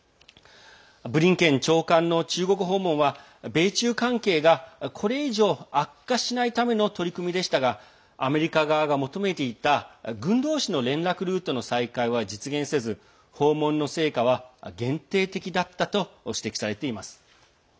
ブリンケン長官の中国訪問は米中関係がこれ以上悪化しないための取り組みでしたがアメリカ側が求めていた軍同士の連絡ルートの再開は実現せず訪問の成果は限定的だったと指摘されています。